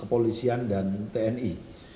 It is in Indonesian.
kepolisian dan tni